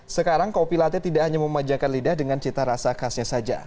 sekarang kopi latte tidak hanya memanjakan lidah dengan cita rasa khasnya saja